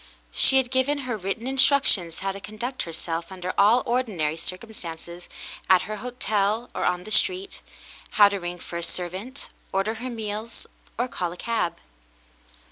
She had given her written instructions how to conduct herself under all ordinary circumstances, at her hotel or on the street — how to ring for a servant, order her meals, or call a cab.